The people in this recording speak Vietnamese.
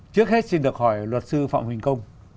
trước hết xin được hỏi luật sư phạm huỳnh công